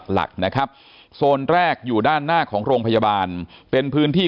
หลักนะครับโซนแรกอยู่ด้านหน้าของโรงพยาบาลเป็นพื้นที่